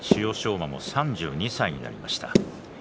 馬も３２歳になりました。